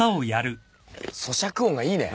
そしゃく音がいいね。